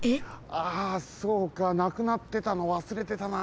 あそうかなくなってたのわすれてたな。